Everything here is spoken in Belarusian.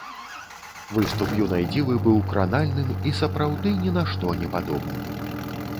Выступ юнай дзівы быў кранальным, і сапраўды ні на што не падобным.